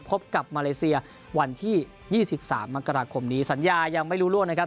พบกับมาเลเซียวันที่๒๓มกราคมนี้สัญญายังไม่รู้ล่วงนะครับ